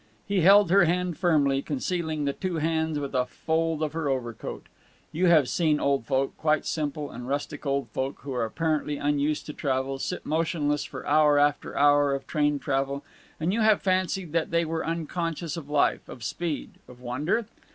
He held her hand firmly, concealing the two hands with a fold of her overcoat.... You have seen old folk, quite simple and rustic old folk who are apparently unused to travel, sit motionless for hour after hour of train travel, and you have fancied that they were unconscious of life, of speed, of wonder?